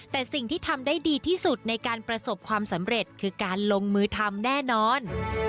แต่สิ่งที่ทำได้ดีที่สุดในการประสบความสำเร็จคือการลงมือทำแน่นอน